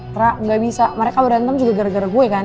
tra gak bisa mereka berantem juga gara gara gue kan